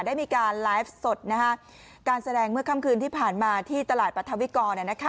ได้มีการไลฟ์สดการแสดงเมื่อค่ำคืนที่ผ่านมาที่ตลาดปรัฐวิกร